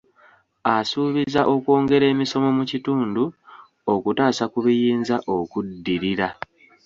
Asuubiza okwongera emisomo mu kitundu, okutaasa ku biyinza okuddirira.